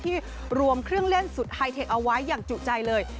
ที่รวมเครื่องเล่นสุดไฮเทคเอาไว้อย่างจุใจเลย